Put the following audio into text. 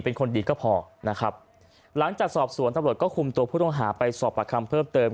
เป็นคนดีก็พอนะครับหลังจากสอบสวนตำรวจก็คุมตัวผู้ต้องหาไปสอบประคำเพิ่มเติม